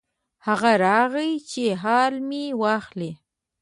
هغه راغی چې حال مې واخلي.